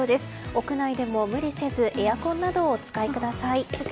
屋内でも無理せずエアコンなどをお使いください。